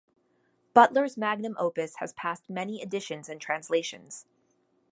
Butler's magnum opus has passed many editions and translations.